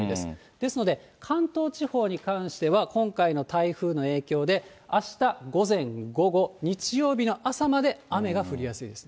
ですので、関東地方に関しては、今回の台風の影響であした午前、午後、日曜日の朝まで雨が降りやすいです。